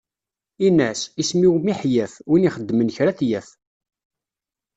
Ini-as: isem-iw Miḥyaf, win ixedmen kra ad t-yaf.